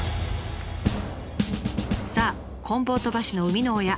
さあ棍棒飛ばしの生みの親